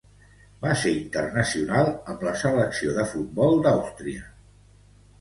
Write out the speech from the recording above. Va ser internacional amb la selecció de futbol d'Àustria.